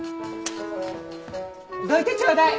どいてちょうだい。